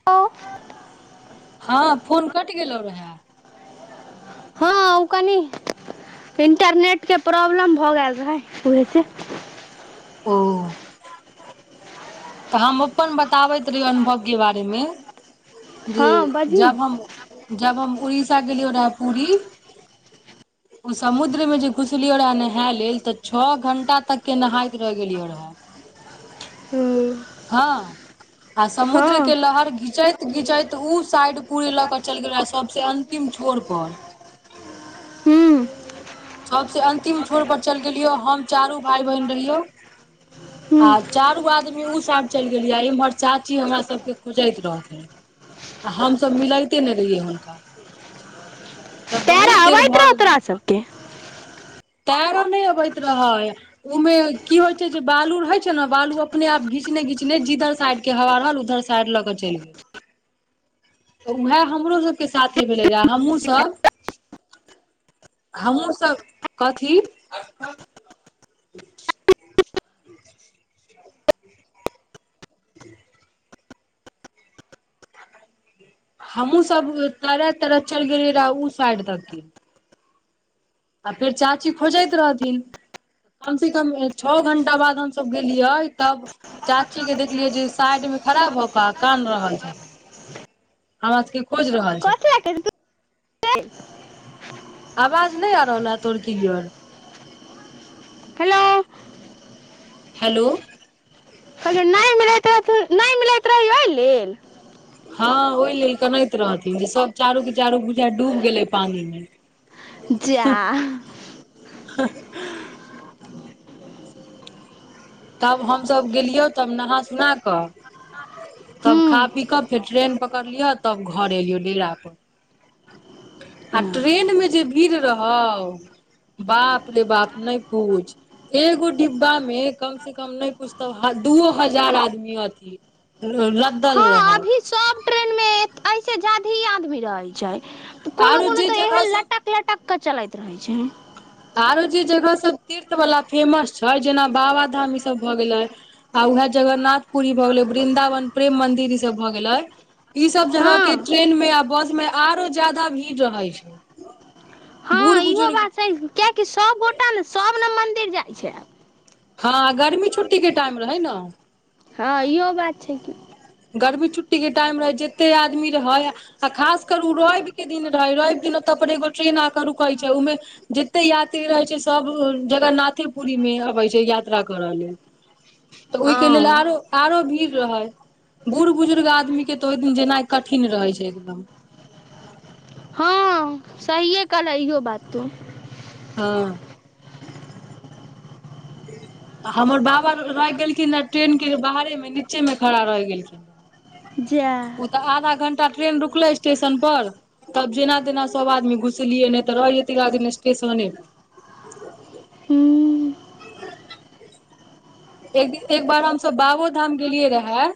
[unintelligible] हँ फोन कटि गेलौ रहय [unintelligible] हँ ओ कनी इंटरनेटके प्रॉब्लम भऽ गेल रहै। ओहे से ओ तऽ हम अपन बताबैत रहिय। अनुभव के बारे मे जे हँ बजही जब हम जब हम उड़ीसा गेलियै रहैय पुरी ओ समुद्र मे जे घुसलियो रहे नहाय लेल तऽ छ घंटा तक के नहाइत रह गेलियो रहे हँ हँ आ समुद्र के लहर घीचैत घीचैत साइड पूरे लऽ के चलि गेल। सबस अंत तीम छोर पर हूँ सबसे अंतिम छोर पर चलि गेलियो हम चारू भाय बहिन रहियो आ हूँ चारू आदमी उ चलि गेलियै। इम्हर चाचीज हमरा सबके खोजेत रहथिन तऽ हमस मिलते नहि रहियै। हुनका जब पैरा बहुत देर अबैत भऽ रहौ गेल तोरा सबके ताबे नहि अबैत रहै। उमे की होइ छै। जे बालू रहय छै। ने बालू अपने आप घीच घिचने घिचने जिधर साइड के हवा रहल उधर साइड लऽ के चलि गेल। तऽ उएह हमरोसभके साथे भेलै रहए। हमहूँसभ हमहुूँ सब कथी [unintelligible] [unintelligible] हमूँ सब तरह तरह चलि गेलिय रह ओ साइड तकके आ फेर चाची खोजैत रहथिन कम सऽ कम छओ घं्टा बाद हमसब गेलियै। तब चाची के देखलियै। जे साइड मे खराब भऽ कऽ आ कान रहल छथि। हमरा सबके खोज रहल छै। कथी लए [unintelligible] आवाज नहि आ रहल हऽ तोहर किलयर हेलो। हेलो। कहतियो नहि मिलैत रहै। नहि मिलैत रही ओहि लेल हँ ओहि लेल कनैत रहथिन जे सब चारू के चारू बुझा डूब गेलै। पानी मे जा ह [inaudible] तब हमसब गेलियो तब नहा सुना कऽ तब खा हूँ पी कऽ फेर ट्रेन पकड़लिय तब घर एलियो डेरा पर आ ट्रेन मे जे भीर रहौ बाप रे बाप नय पूछ। एगो डिब्बा मे कम कम से कम नय कुछ तऽ दूओ हजार आदमी अथी लद्दल हँ रहल। अभी सब ट्रेन मे अइसे जादही आदमी रहै छै। कोनो आरो कोनो जे तऽ जगह एहन सब लटक लटक केऽ चलैत रहै छै। आरो जे जगह सभ तीर्थ बला फेमस छै। जेना बाबाधाम ईसभ भऽ गेलै। आ उहे जगन्नाथ पुरी भऽ गेलै। वृन्दावन, प्रेम मंदिर ई सब भऽ गेलै। ई सब जगह के हँ ट्रेन मे आ बस मे आरो जादा भीड़ रहै छै। बूढ़ हँ बु इहो बात छै। कियेकि सबगोटा ने सब ने मंदिर जाइ छै। हँ गर्मी छुट्टीे के टाइम रहै न। हँ इहो बात छै। की गर्मी छुट्टीके टाइम रहै जेते आदमी रहै। आ खास कर उ रवि के दिन रहै रवि दिन ओत पर एगो ट्रेन आक रुकैत छै। उमे जेते यात्री रहै छै। सभ जगन्नाथेपुरी मे अबै छै। यात्रा करऽ लेल तऽ ओहिके लेल हँ आरो आरो भीड़ रहै। बुढ़ बुजुर्ग आदमी के तऽ ओहि दिन जेनाइ कठिन रहै छै एकदम हँ सहिए कहल इयो बात तू हँ आ हमर बाबा रहि गेलखिन आ ट्रेन के बाहरे मे नीचे मे खड़ा रहि गेलखिन जा उ तऽ आधा घण्टा ट्रेन रुकलै स्टेशन पर तब जेना तेना सभ आदमी घुसलियै नय तऽ रहि जैतै रहै आदमी स्टेशने पर हूँ [inaudible] एक दिन एक बार हमसब बाबो धाम गेलियै रहे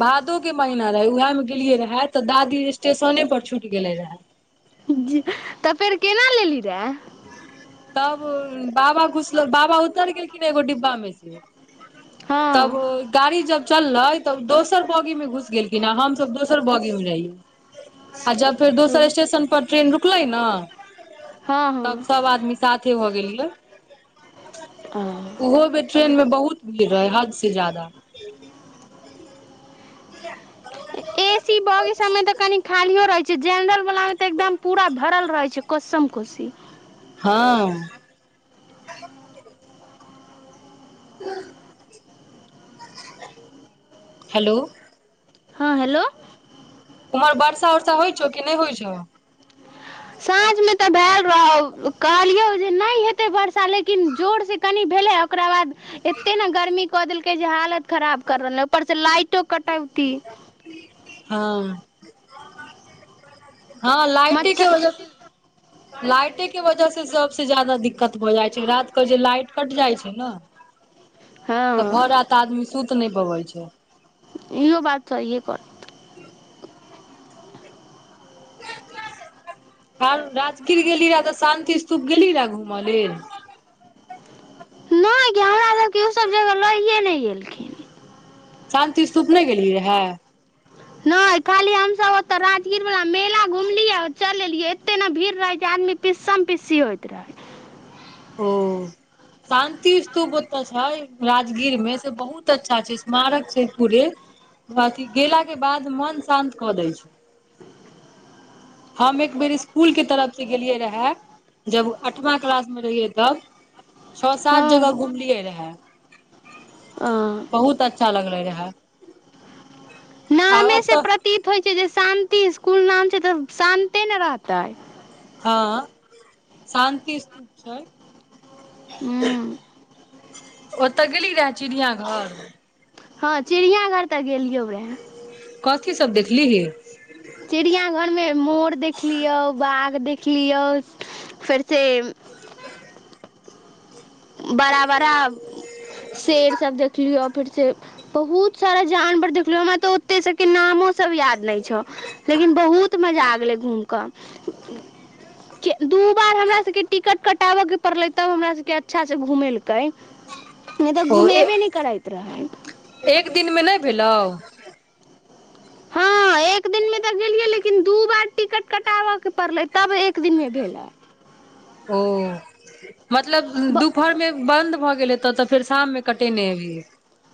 भादो के महीना रहे उएहे मे गेलियै रहे तऽ दादी स्टेशने पर छुटि गेलै रहे ज तऽ फेर केना लेलही रहे तब बाबा घुसलो बाबा उतर गेलखिन एगो डिब्बा मे से तब हँ गाड़ी जब चललै तब दोसर बौगी मे घुस गेलखिन आ हमसब दोसर बौगी मे रहियै आ जब फेर ओ दोसर स्टेशन पर ट्रेन रुकलै न हँ तब सब आदमी साथे भऽ गेलियै हँ उहो बेर ट्रेन मे बहुत भीड़ रहै हद से जादा [inaudible] ए सी बोगी सबमे तऽ कनी खालियो रहि जेनरल वाला मे तऽ एकदम पूरा भरल रहेै छै कोसम कोसी हँ [inaudible] हेलो हँ हेलो उम्हर वर्षा उर्षा होइ छौ कि नय होइ छौ ऐने तऽ भेल रहो कहलियौ जे नय हेतै वर्षा लेकिन जोरसँ कनि भेलै ओकरा बाद एते ने गर्मी कऽ देलकै जे हालत खराब कर रहल पर से लाइटो कटौती हँ हँ लाइटे के मच्छर वजह [inaudible] लाइटे के वजह से सबस जा्यादा दिक्कत भ जाइ छै रात के जे लाइट कइट जाइ छै ने तऽ हँ भर रात आदमी सुत नय पबै छै इहो बात सहीए कहनी और राजगीर गेली रह तऽ शान्ति स्तूप गेली रहे घूम लेल जबकि ओ सब जगह लए नय गेलखिन शान्ति स्तूप ने गेलियै रहे नय खाली हमस ओते राजगीर वाला मेला घुमलियै चल एलिय एते ने भीड़ रहै जे आदमी पिसम पीसी होइत रहै ओ शान्ति स्तूप ओते छै राजगीर में से बहुत अच्छा छै स्मारक छै पूरे [unintelligible] गेला के बाद मन शान्त कऽ दै छै हम एक बेर स्कूल के तरफ से गेलिये रहे जब अठवा क्लास रहिए तब छओ सात हँ जगह घुमलियै रहै हँ बहुत अच्छा लगले रहए नामे से प्रतीत होइ छै जे शान्ति इसकुल नाम छै तऽ शान्ते नै रहतै हँ शान्ति स्तूप छै हूँ [inaudible] ओतऽ गेली रहे चिड़िया घर हँ चिड़ियाघर तऽ गेलियो रहे कथी सब देखलीही चिड़ियाघरमे मोर देखलियौ बघ देखलियौ फेरसँ [inaudible] बड़ा बड़ा शेर सब देखलि ओ फिर से बहुत सारा जानवर देखलो हमरा त ओते सबके नामो सब याद न छौ लेकिन बहुत मजा आ गले घूम क दू बार हमरा सबके टिकट कटा बऽ के पड़लै तब हमरा सबके अच्छा सँ घूमेलकै नय तऽ ओ घूमेबे नय करैत रहै एक दिन मे नय भेलौ हँ एक दिन मे तऽ गेलियै लेकिन दू बार टिकट कटाबऽ के पड़लै तब एक दिन मे भेलै ओ मतलब दुपहर मे बन्द भऽ गेलै हेतो तब फेर शाम मे कटेने हे भी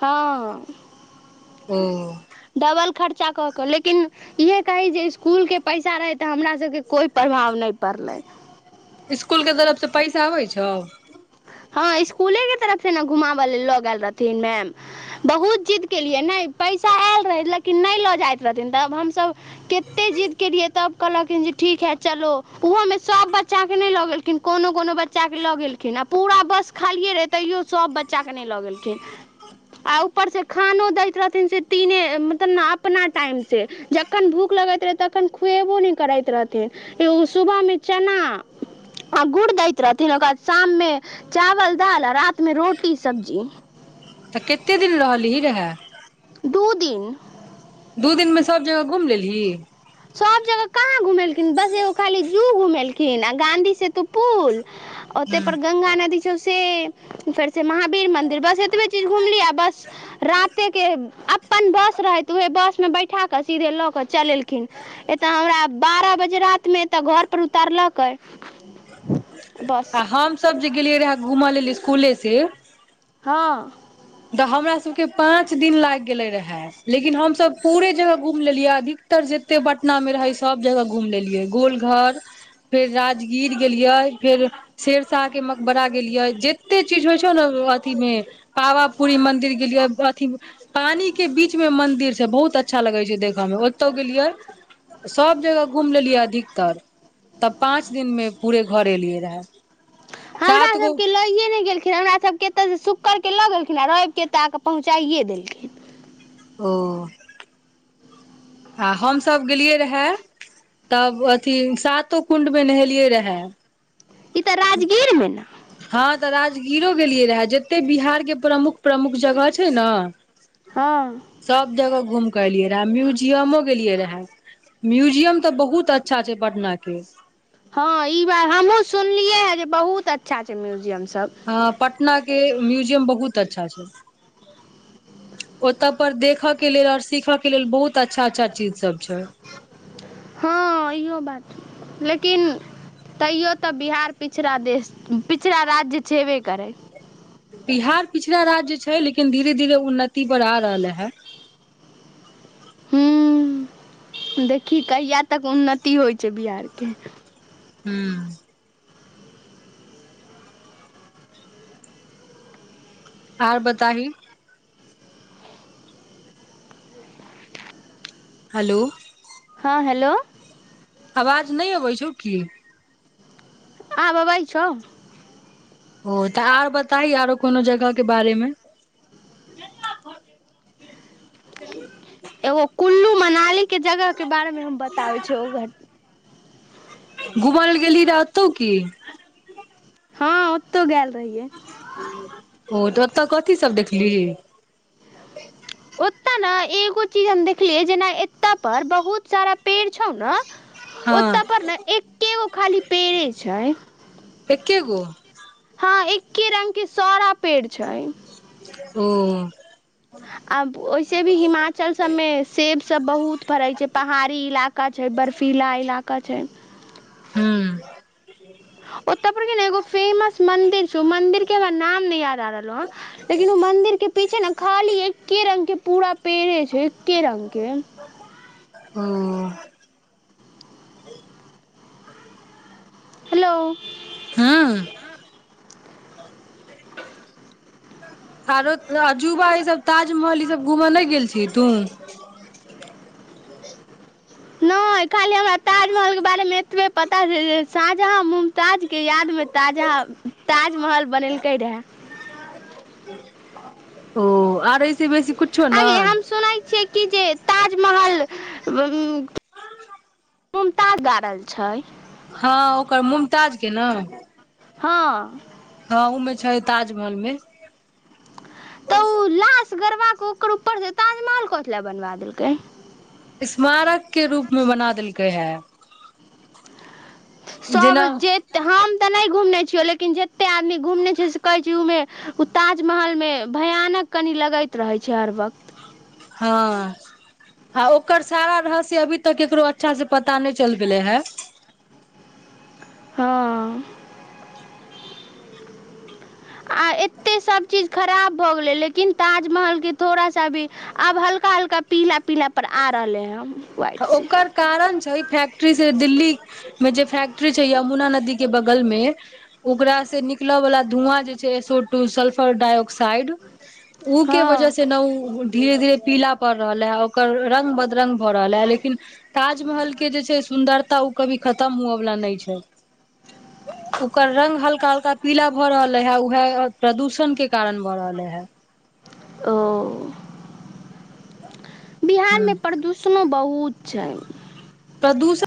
हँ ओ डबल खर्चा कऽ कऽ लेकिन इहे कही जे इसकुलके पैसा रहै तऽ हमरा सभके कोइ प्रभाव नय पड़लै इसकुल के तरफसँ पैसा आबै छौ हँ इसकुले के तरफ से ने घुमाब ल लऽ गेल रहथिन मैम बहुत जिद केलियै नय पैसा आयल रहै लेकिन नय लऽ जाइत रहथिन तऽब हमसभ कते जिद केलियै तब कहलकिन जे ठीक है चलो ओहो में सब बच्चा के नय लगेख किन कोनो कोनो बच्चा के लऽ गेलखिन आ पूरा बस खालिए रहै तैयो सभ बच्चाके नै लऽ गेलखिन आ ऊपर से खानो दैत रहथिन से तीने मतलब ने अपना टाइम से ज जखन भूख लगैत रहै तखन खुएबो नै करैत रहथिन एगो सुबहमे चना आ गुड़ दैत रहथिन ओकर ब शाममे चावल दाल आ राात मे रोटी सब्जी तऽ कते दिन रहलीयै रहे दू दिन दू दिनमे सभ जगह घुम लेलही सब जगह कहाँ घुमेलखिन बस एगो खाली जू घुमेलखिन [unintelligible] आ गांधी सेतु पुल ओते पर गंगा नदी से फेर से महावीर मंदिर बस एतबे चीज घुमली आ बस राते के अपन बस रहे त उहे बस में बैठा के सीधे लऽ के चलेलक कीन एतऽ हमरा बारह बजे रात मे एतऽ घर पर उतारलकै आ हमसब जे गेलियै रहै घूमल लेल स्कुले से हँ तऽ हमरा सबके पाँच दिन लैग गेले रहे लेकिन हमसब पूरे जगह घूम लेलियै अधिकतर जते पटना मे रहे सब जगह घूम लेलियै गोल घर फेर राजगीर गेलियै फेर सेरशाह के मकबरा गेलियै जते चीज होइ छौ ने ओ अथिमे पावा पूरी मंदिर गेलियै अथी पानी के बीच में मंदिर छै बहुत अच्छा लगै छै देखऽ मे ओतौ गेलियै सब जगह घुम लेलियै अधिकतर तऽ पाँच दिनमे पूरे घर एलियै रहए हमरा सबके ल ऐ नै गेलखिन हमरा सब केत से शुक्र के लऽ गेलखिन आ रैव के एत आ के पहुँचाये देलखिन ओ आ हमसभ गेलियै रहे तब अथी सातो कुण्ड मे नहेलियै रहे ई तऽ राजगीर मे ने हँ तऽ राजगीरो गेलियै रहे जते बिहार के प्रमुख प्रमुख जगह छै नऽ हँ सभ जगह घूमकेऽ एलियै रहे म्यूजियमो गेलियै रहे म्यूजियम तऽ बहुत अच्छा छै पटना के हँ ई बार हमहुँ सुनलियै हे जे बहुत अच्छा छै म्युजियम सब हऽ पटना के म्युजियम बहुत अच्छा छै ओत पर देख के लेल और सीख के लेल बहुत अच्छा अच्छा चीज सब छै हँ इहो बात लेकिन तैयो त बिहार पिछड़ा देश पिछड़ा राज्य छेबे करै बिहार पिछड़ा राज्य छै लेकिन धीरे धीरे उन्नति पर आ रहले हे हुॅं देखी कहिया तक उन्नति होइ छै बिहार के हुॅं आर बताही हलो हँ हेलो आवाज नै अबै छौ की आब अबै छौ ओ तऽ आर बताही आरो कोनो जगह के बारे मे एगो कुल्लू मनाली के जगह के बारे मे हम बताबे छ ओ घ घुमेल लऽ गेली रहि ओतौ की हँ ओतौ गेल रहिये ओ तऽ ओतऽ कथी सब देखली ओतय नऽ एगो चीज हम देखलियै जेना एत पर बहुत सारा पेड़ छौ नऽ ओत हँ पर ने एकेगो खाली पेड़े छै एके गो हँ एक्े रंग के सारा पेड़ छै ओ आ ओहिसे भी हिमाचल सबमे सेब सब बहुत फड़ैत छै पहाड़ी इलाका छै बर्फीला इलाका छै हू ओतय के नऽ एगो फेमस मंदिर छै ओ मन्दिर के हमरा नाम न याद आ रहलो ह लेकिन ओ मंदिर के पीछे नऽ खाली एके रंग के पूरा पेड़े छै एके रंग के ओ हेलो हू आरोजुबा ई सब ताजमहल ई सब घुमऽ नहि गेल छिही तू [unintelligible] नहि खाली हमरा ताजमहल के बारेमे एतबे पता छै शाहजहाँ मुमताज के यादमे शाहजहाँ ताजमहल बनेलकै रहए [unintelligible] ओ आर ऐसे बेसी कुछो आगे नहि हम सुनै छियै कि जे ताजमहल मुमताज गाड़ल छै हँ ओकर मुमताज के नऽ हँ हँ ओमे छै ताजमहल मे लश गरबा के ओकर ऊपरसँ ताजमहल कथि लए बनबा देलकै स्मारक के रूप में बना देलकै है सभ जेना जे [unintelligible] ने घुमने छियो लेकिन जते आदमी घुमने छै से कहै छै उ मे ताजमहल मे भयानक कनि लगैत रहै छै हर वक्त हँ हँ ओकर सारा रहस्य अभी तक केकरो अच्छा सऽ पता नऽ चल पेले हे हँ [unintelligible] आ एतेक सभ चीज खराब भऽ गेलै लेकिन ताजमहलके थोड़ा सा भी। आब हल्का हल्का पीला पीला पर आ रहले हऽ तऽ ओकर कारण छै फैक्ट्री से दिल्ली मे जे फैक्ट्री छै यमुना नदी के बगल मे। ओकरा से निकलय वालला धुआँ जे छै एसो टू सल्फर डाइऑक्साइड उऊ के हँ वजह से नऽ उ धीरे धीरे पीला पड़ रहल है ओकर रंग बदरंग भऽ रहल रहलैय लेकिन ताजमहल के जे छै सुन्दरता ओ कभी खतम हुअवला नहि छै ओकर रंग हल्का हल्का पीला भऽ रहले है उहे प्रदूषण के कारण भ रहले हे ओ बिहार ह मे प्रदूषणो बहुत छै प्रदूषण